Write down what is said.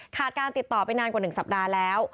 การติดต่อไปนานกว่า๑สัปดาห์แล้ว